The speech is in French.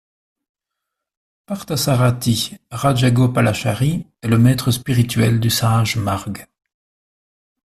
Parthasarathi Rajagopalachari est le maître spirituel du Sahaj Marg.